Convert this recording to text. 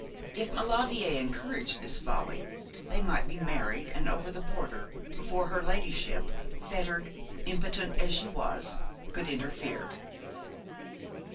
If Maulevrier encouraged this folly, they might be married and over the border, before her ladyship fettered, impotent as she was could interfere.